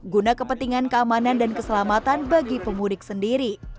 guna kepentingan keamanan dan keselamatan bagi pemudik sendiri